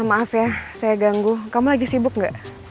maaf ya saya ganggu kamu lagi sibuk gak